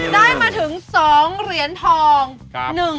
ได้มาถึง๒เหรียญทอง